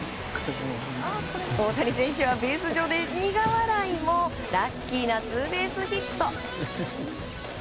大谷選手はベース上で苦笑いもラッキーなツーベースヒット。